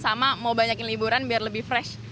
sama mau banyakin liburan biar lebih fresh